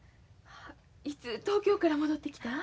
いつ東京から戻ってきたん？